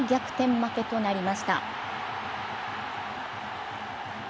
負けとなりました。